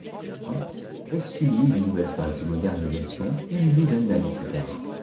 Enfin, elle subit une nouvelle phase de modernisation une douzaine d'années plus tard.